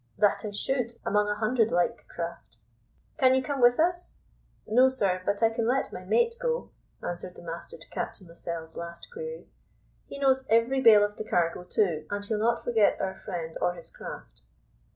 "That I should, among a hundred like craft." "Can you come with us?" "No, sir, but I can let my mate go," answered the master to Captain Lascelles' last query; "he knows every bale of the cargo too, and he'll not forget our friend or his craft."